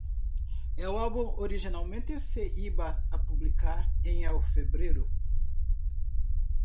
El álbum originalmente se iba a publicar en febrero.